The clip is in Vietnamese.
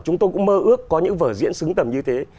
chúng tôi cũng mơ ước có những vở diễn xứng tầm như thế